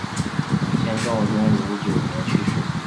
先赵宗儒九年去世。